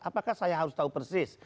apakah saya harus tahu persis